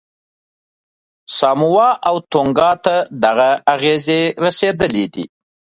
ساموا او تونګا ته دغه اغېزې رسېدلې دي.